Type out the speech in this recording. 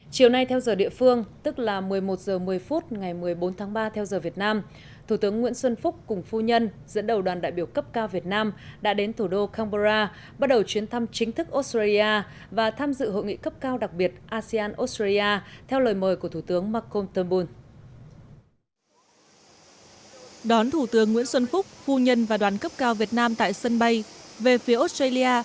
chiều nay theo giờ địa phương tức là một mươi một h một mươi phút ngày một mươi bốn tháng ba theo giờ việt nam thủ tướng nguyễn xuân phúc cùng phu nhân dẫn đầu đoàn đại biểu cấp cao việt nam đã đến thủ đô canberra bắt đầu chuyến thăm chính thức australia và tham dự hội nghị cấp cao đặc biệt asean australia theo lời mời của thủ tướng malcolm turnbull